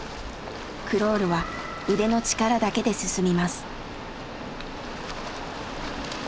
クロールは腕の力だけで進みます。